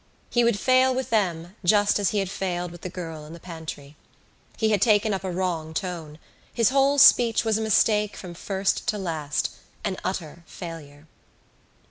He would fail with them just as he had failed with the girl in the pantry. He had taken up a wrong tone. His whole speech was a mistake from first to last, an utter failure.